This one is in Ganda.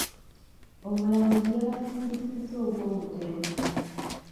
Omulamuzi yabasingizizza gw'obutemu.